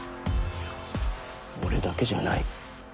俺だけじゃない。